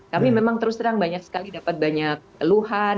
kami memang terus terang banyak sekali dapat banyak luhan gitu ya masukan